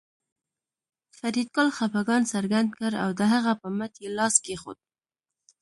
فریدګل خپګان څرګند کړ او د هغه په مټ یې لاس کېښود